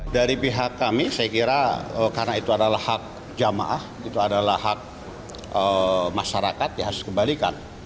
dari pihak kami saya kira karena itu adalah hak jamaah itu adalah hak masyarakat ya harus dikembalikan